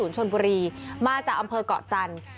๒๐๕๐ชนบุรีมาจากอำเภอก่อจันทร์